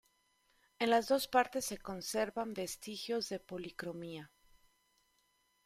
En las dos partes se conservan vestigios de policromía.